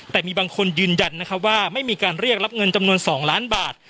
แต่มีบางคนยืนยันนะครับว่าไม่มีการเรียกรับเงินจำนวน๒ล้านบาท